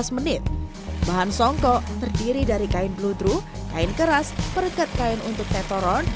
lima belas menit bahan songkok terdiri dari kain blu druh kain keras perget kain untuk teporon